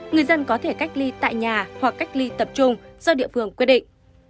người dân có thể cách ly tại nhà hoặc cách ly tập trung do địa phương quyết định